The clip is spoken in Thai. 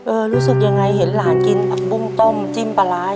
เอ่อรู้สึกยังไงเห็นหลานกินปลาปุ้มต้มจิ้มปลาล่ะ